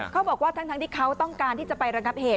เขาบอกว่าทั้งที่เขาต้องการที่จะไประงับเหตุ